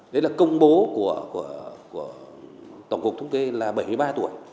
đấy là công bố của tổng cục thống kê là bảy mươi ba tuổi